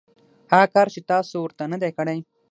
هغه کار چې تاسو ورته نه دی کړی .